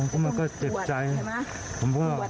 ผมก็เจ็บใจผมว่า